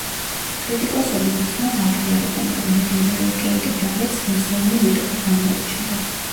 კრიტიკოსები ერთხმად აღიარებენ, რომ ლეგენდარულ კეიტ ჯარეტს ღირსეული მეტოქე გამოუჩნდა.